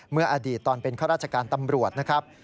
เมื่ออดีตตอนเป็นข้าราชการตำรวจนะครับ